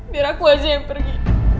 biar aku aja yang pergi